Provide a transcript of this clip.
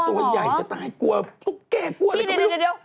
ตัวใหญ่จะตายกลัวตุ๊กแก่กลัวอะไรก็ไม่รู้